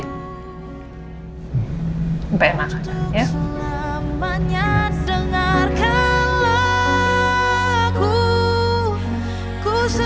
sampai emang ya